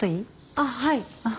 あっはい。